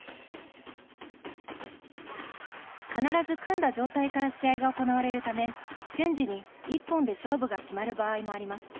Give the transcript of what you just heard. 必ず組んだ状態から試合が行われるため瞬時に「１本！」で勝負が決まる場合もあります。